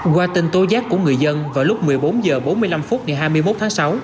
qua tin tố giác của người dân vào lúc một mươi bốn h bốn mươi năm phút ngày hai mươi một tháng sáu